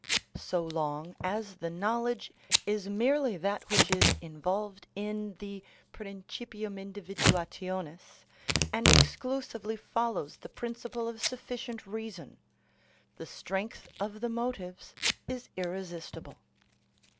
So long as the knowledge is merely that which is involved in the principium individuationis and exclusively follows the principle of sufficient reason, the strength of the motives is irresistible.